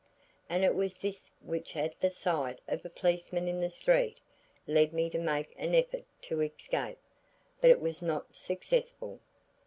And it was this which at the sight of a policeman in the street led me to make an effort to escape. But it was not successful.